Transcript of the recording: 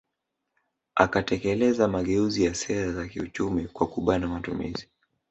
Akatekeleza mageuzi ya sera za kiuchumi kwa kubana matumizi